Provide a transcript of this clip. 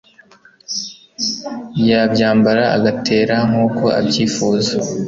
yabyambara agatera nk'uko abyifuza.